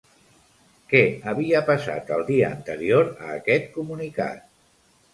Què havia passat el dia anterior a aquest comunicat?